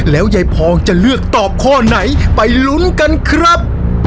แล้วยายพองจะเลือกตอบข้อไหนไปลุ้นกันครับ